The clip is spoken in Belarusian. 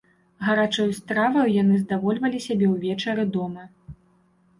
Гарачаю страваю яны здавольвалі сябе ўвечары дома.